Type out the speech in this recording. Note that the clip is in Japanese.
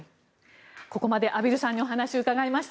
ここまで畔蒜さんにお話を伺いました。